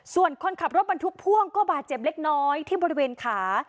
ส่วนคนขับรถบรรทุกพ่วงก็บาดเจ็บเล็กน้อยที่บริเวณขา